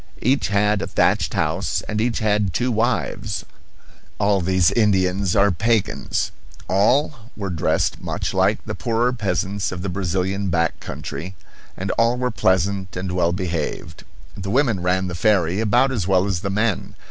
Each had a thatched house, and each had two wives all these Indians are pagans. All were dressed much like the poorer peasants of the Brazilian back country, and all were pleasant and well behaved. The women ran the ferry about as well as the men.